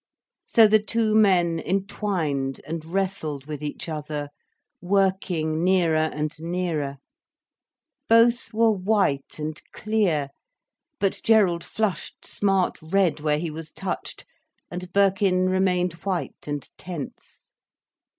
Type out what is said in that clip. So the two men entwined and wrestled with each other, working nearer and nearer. Both were white and clear, but Gerald flushed smart red where he was touched, and Birkin remained white and tense.